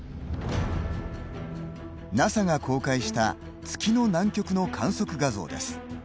ＮＡＳＡが公開した月の南極の観測画像です。